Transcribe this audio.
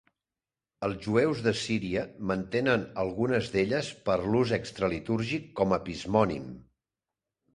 Els jueus de Síria mantenen algunes d"elles per a l"ús extra-litúrgic com a pizmonim.